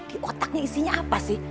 di otaknya isinya apa sih